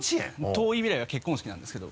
遠い未来は結婚式なんですけど。